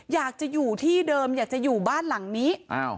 อยากจะอยู่ที่เดิมอยากจะอยู่บ้านหลังนี้